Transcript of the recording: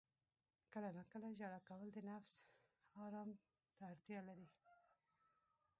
• کله ناکله ژړا کول د نفس آرام ته اړتیا لري.